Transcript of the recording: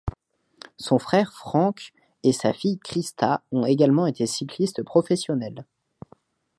Son frère Frank et sa fille Christa ont également été cyclistes professionnels.